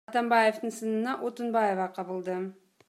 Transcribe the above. Атамбаевдин сынына Отунбаева кабылды.